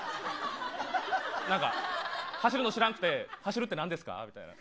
走るの知らなくて走るって何ですかみたいな